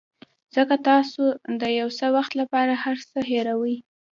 ځکه تاسو د یو څه وخت لپاره هر څه هیروئ.